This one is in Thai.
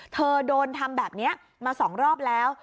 เธอโดนทำแบบนี้มา๒รอบแล้ว